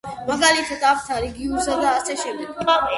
მაგალითად: აფთარი, გიურზა და ასე შემდეგ.